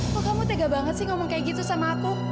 kok kamu tega banget sih ngomong kayak gitu sama aku